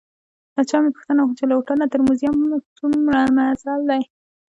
له چا مې پوښتنه وکړه چې له هوټل نه تر موزیم څومره مزل دی؟